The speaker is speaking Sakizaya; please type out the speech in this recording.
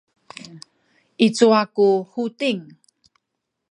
i cuwa ku Huting?